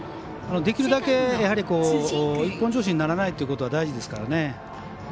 できるだけ一本調子にならないということが大事ですからね。